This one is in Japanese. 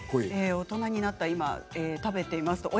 大人になって今、食べています。